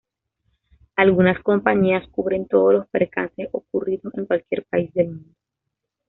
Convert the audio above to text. Algunas compañías cubren todos los percances ocurridos en cualquier país del mundo.